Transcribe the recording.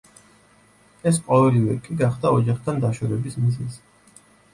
ეს ყოველივე კი გახდა ოჯახთან დაშორების მიზეზი.